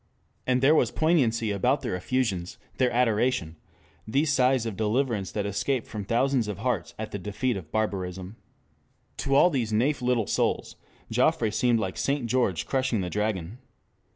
And there was poignancy about their effusions, their adoration, these sighs of deliverance that escaped from thousands of hearts at the defeat of barbarism. To all these naif little souls, Joffre seemed like St. George crushing the dragon.